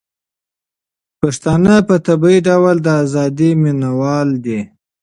پښتانه په طبيعي ډول د ازادۍ مينه وال دي.